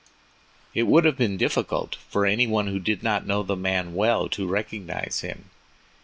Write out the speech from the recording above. It would have been difficult for any one who did not know the man well to recognize him.